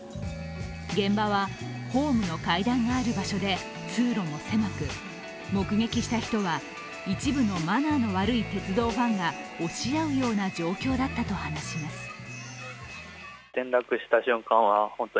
現場はホームの階段のある場所で通路も狭く目撃した人は、一部のマナーの悪い鉄道ファンが押し合うような状況だったと話します。